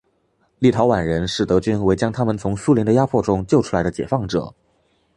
立陶宛人视德军为将他们从苏联的压迫中救出来的解放者。